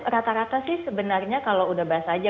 rata rata sih sebenarnya kalau udah bahasa aja